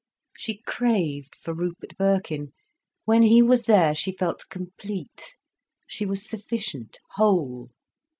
She craved for Rupert Birkin. When he was there, she felt complete, she was sufficient, whole.